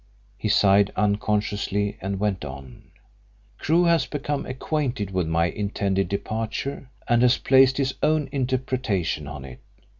He sighed unconsciously, and went on: "Crewe has become acquainted with my intended departure and has placed his own interpretation on it.